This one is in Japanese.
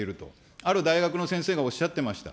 ある大学の先生がおっしゃってました。